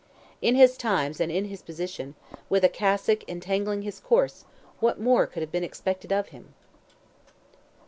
In his times, and in his position, with a cassock "entangling his course," what more could have been expected of him?